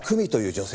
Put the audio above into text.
女性。